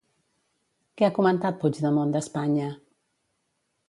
Què ha comentat Puigdemont d'Espanya?